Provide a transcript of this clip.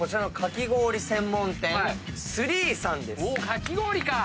かき氷か！